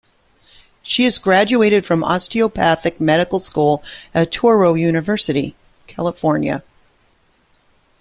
She is graduated from osteopathic medical school at Touro University California.